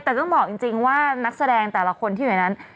แต่ต้องบอกจริงว่านักแสดงแต่ละคนที่อยู่ในนั้น